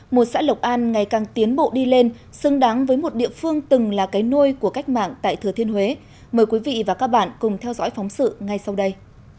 một xã lộc an ngày càng tiến bộ đi lên xứng đáng với một địa phương từng là cái nôi của cách mạng tại thừa thiên huế mời quý vị và các bạn cùng theo dõi phóng sự ngay sau đây